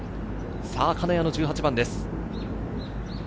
金谷の１８番です。